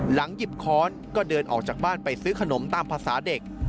หยิบค้อนก็เดินออกจากบ้านไปซื้อขนมตามภาษาเด็ก